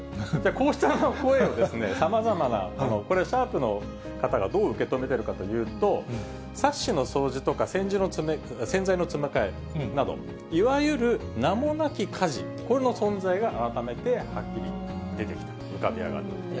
こうした声をさまざまな、これ、シャープの方がどう受け止めてるかというと、サッシの掃除とか、洗剤の詰め替えなど、いわゆる名もなき家事、これの存在が改めてはっきり出てきた、浮かび上がってきたと。